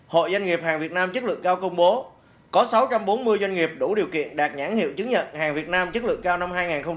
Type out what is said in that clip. hội doanh nghiệp hàng việt nam chất lượng cao công bố có sáu trăm bốn mươi doanh nghiệp đủ điều kiện đạt nhãn hiệu chứng nhận hàng việt nam chất lượng cao năm hai nghìn hai mươi